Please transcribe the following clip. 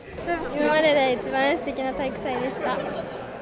今までで一番すてきな体育祭でした。